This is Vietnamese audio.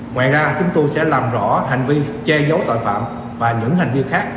ngoài ra chúng tôi sẽ làm rõ hành vi che giấu tội phạm và những hành vi khác